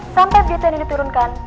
sampai berita ini diturunkan